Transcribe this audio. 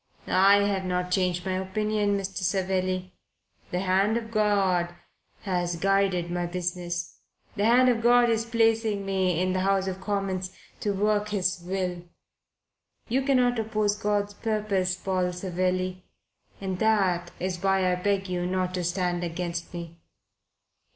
"I have not changed my opinion, Mr Savelli. The hand of God has guided my business. The hand of God is placing me in the House of Commons to work His will. You cannot oppose God's purpose, Paul Savelli and that is why I beg you not to stand against me."